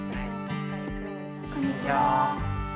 こんにちは。